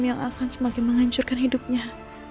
yang akan semakin menghancurkan hidupnya